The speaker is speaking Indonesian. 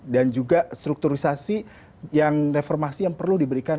dan juga strukturisasi yang reformasi yang perlu diberikan